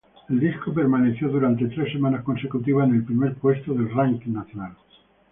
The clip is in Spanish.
El disco permaneció durante tres semanas consecutivas en el primer puesto del ranking nacional.